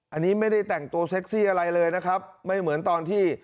อันนี้ไม่ได้แต่งตัวเซ็กซี่อะไรเลยนะครับไม่เหมือนตอนที่